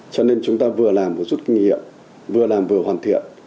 cho nên chúng ta vừa làm một chút kinh nghiệm vừa làm vừa hoàn thiện